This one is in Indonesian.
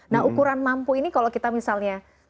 nah ukuran mampu ini kalau kita misalnya